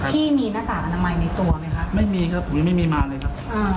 พี่มีหน้ากากอนามัยในตัวไหมคะไม่มีครับผมยังไม่มีมาเลยครับอ่า